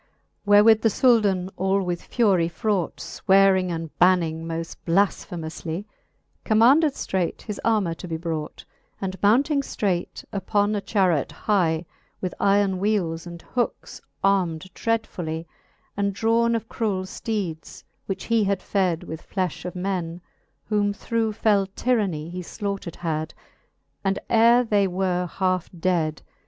Wherewith the Souldan all with furie fraught, Swearing, and banning moft blafphemoufly, Commanded ftraight his armour to be brought, And mounting ftraight uppon a charret hye, With yron wheeles and hookes arm'd dreadfully, And drawne of cruell fteedes, which he had fed With flefh of men, whom through fell tyranny He (laughtered had, and ere they were halfe ded.